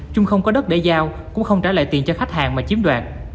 trung không có đất để giao cũng không trả lại tiền cho khách hàng mà chiếm đoạt